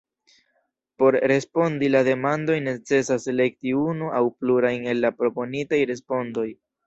Por respondi la demandojn necesas elekti unu aŭ plurajn el la proponitaj respondoj.